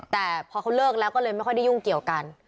แต่พอเขาเลิกแล้วก็เลยไม่ค่อยได้ยุ่งเกี่ยวกัน